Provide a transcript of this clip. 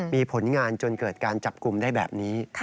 มีผลงานจนเกิดการจับกลุ่มได้แบบนี้